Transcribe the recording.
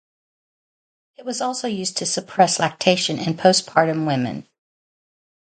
It was also used to suppress lactation in postpartum women.